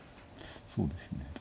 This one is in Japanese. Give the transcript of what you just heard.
そうですよね